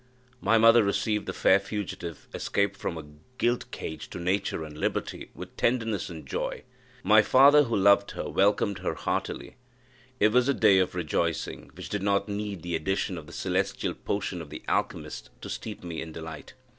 My mother received the fair fugitive, escaped from a gilt cage to nature and liberty, with tenderness and joy; my father, who loved her, welcomed her heartily; it was a day of rejoicing, which did not need the addition of the celestial potion of the alchymist to steep me in delight.